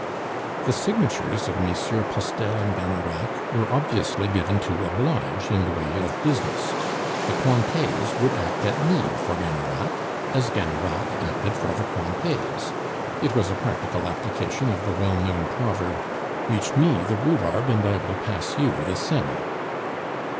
The signatures of Messieurs Postel and Gannerac were obviously given to oblige in the way of business; the Cointets would act at need for Gannerac as Gannerac acted for the Cointets. It was a practical application of the well known proverb, "Reach me the rhubarb and I will pass you the senna."